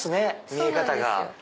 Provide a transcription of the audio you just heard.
見え方が。